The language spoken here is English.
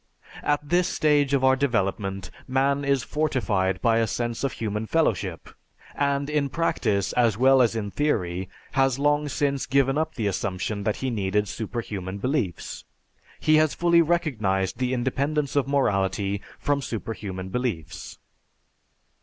At this stage of our development man is fortified by a sense of human fellowship, and in practice, as well as in theory, has long since given up the assumption that he needed superhuman beliefs. He has fully recognized the independence of morality from superhuman beliefs.